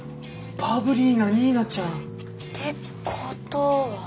バブリーなニーナちゃん。ってことは。